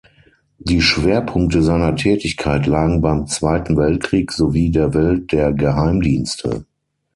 Die Schwerpunkte seiner Tätigkeit lagen beim Zweiten Weltkrieg sowie der Welt der Geheimdienste.